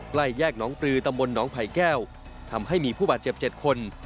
ใกล้แยกหนองปลือตำบลหนองไผ่แก้วทำให้มีผู้บาดเจ็บ๗คน